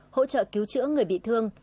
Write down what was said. hỗ trợ cứu trữa người bị thương